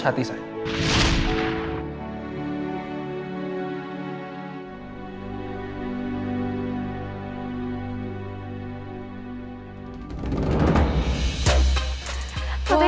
tetep aku punya